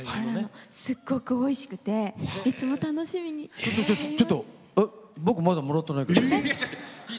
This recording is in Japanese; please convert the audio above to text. すごくおいしくていつも僕、まだもらっていないけど。